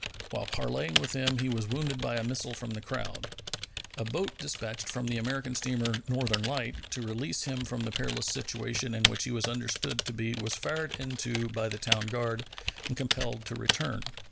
While parleying with them he was wounded by a missile from the crowd. A boat dispatched from the American steamer Northern Light to release him from the perilous situation in which he was understood to be was fired into by the town guard and compelled to return.